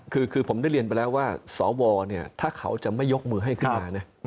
คือผมได้เรียนไปแล้วว่าสวเนี่ยถ้าเขาจะไม่ยกมือให้ขึ้นมานะ